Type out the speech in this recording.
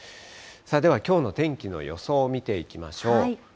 ではきょうの天気の予想を見ていきましょう。